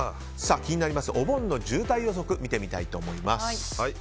気になりますお盆の渋滞予測見てみたいと思います。